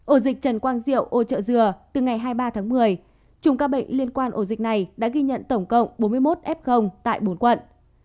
ổ dịch trần quang diệu ô trợ dừa từ ngày hai mươi ba tháng một mươi trùng các bệnh liên quan ổ dịch này đã ghi nhận tổng cộng bốn mươi một f tại bốn quận